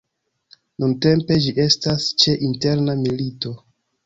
Nuntempe, ĝi estas ĉe interna milito.